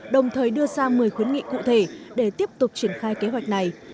đồng thời đưa ra một mươi khuyến nghị cụ thể để tiếp tục triển khai kế hoạch này